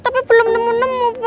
tapi belum nemu nemu